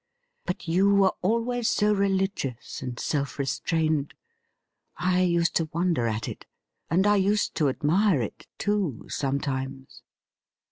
But you were always so religious and self restrained. I used to wonder at it, and I used to admire it, too, sometimes.